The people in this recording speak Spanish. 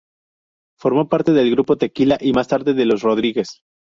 Formó parte del grupo Tequila y más tarde de Los Rodríguez.